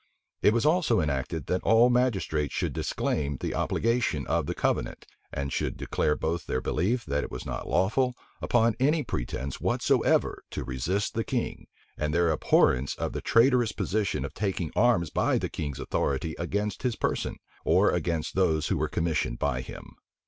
It was also enacted, that all magistrates should disclaim the obligation of the covenant, and should declare both their belief that it was not lawful, upon any pretence whatsoever, to resist the king, and their abhorrence of the traitorous position of taking arms by the king's authority against his person, or against those who were commissioned by him.